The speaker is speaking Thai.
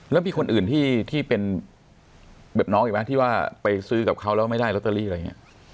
แล้วมีคนอื่นที่เป็นแบบน้องอีกไหมที่ว่าไปซื้อกับเขาแล้วไม่ได้ลอตเตอรี่อะไรอย่างนี้